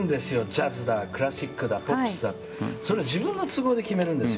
ジャズだクラシックだポップスだ自分の都合で決めるんです。